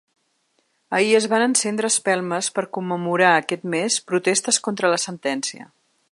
Ahir es van encendre espelmes per commemorar aquest mes protestes contra la sentència.